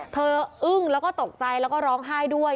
อึ้งแล้วก็ตกใจแล้วก็ร้องไห้ด้วย